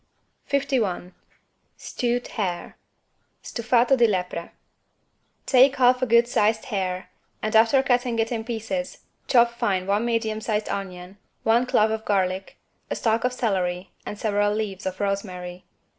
51 STEWED HARE (Stufato di lepre) Take half of a good sized hare and, after cutting it in pieces, chop fine one medium sized onion, one clove of garlic, a stalk of celery and several leaves of rosemary.